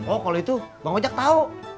oh kalau itu bang ojek tahu